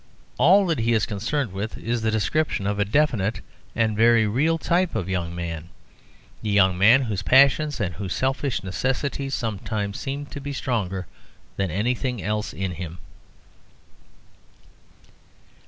All that he is concerned with is the description of a definite and very real type of young man; the young man whose passions and whose selfish necessities sometimes seemed to be stronger than anything else in him.